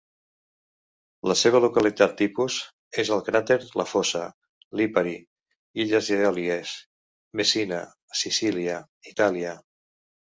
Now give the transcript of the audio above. La seva localitat tipus és al cràter La Fossa, Lipari, Illes Eòlies, Messina, Sicília, Itàlia.